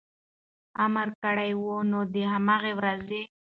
امر کړی و، نو د هماغې ورځې